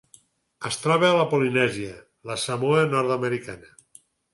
Es troba a la Polinèsia: la Samoa Nord-americana.